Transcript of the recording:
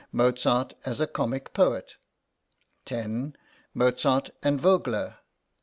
Mozart as a comic poet. 10. Mozart and Vogler.